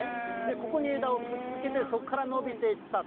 ここに枝をくっつけ、そっからのびていったと。